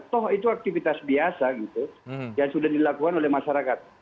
toh itu aktivitas biasa gitu yang sudah dilakukan oleh masyarakat